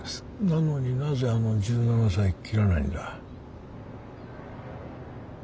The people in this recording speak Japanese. なのになぜあの１７才切らないんだ？